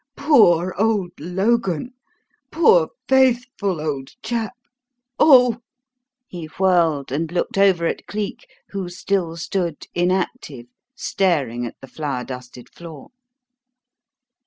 Poor old Logan! Poor, faithful old chap! Oh!" He whirled and looked over at Cleek, who still stood inactive, staring at the flour dusted floor.